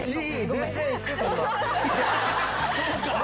そうか！